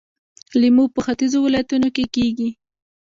لیمو په ختیځو ولایتونو کې کیږي.